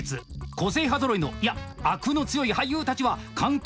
個性派ぞろいのいやあくの強い俳優たちは監督